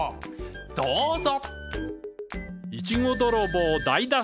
どうぞ！